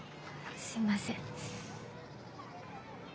すいません。